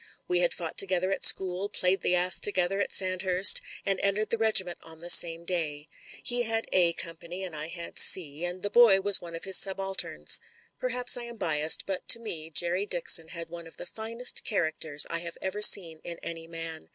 We had fought together at school, played the ass together at Sandhurst, and entered the regiment on the same day. He had "A company and I had *'C," and the boy was one of his subalterns. Perhaps I am biassed, but to me Jerry Dixon had one of the finest characters I have ever seen in any man.